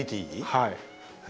はい。